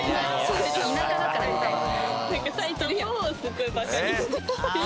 田舎だからみたいな。